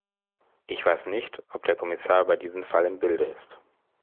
Ich weiß nicht, ob der Kommissar über diesen Fall im Bilde ist.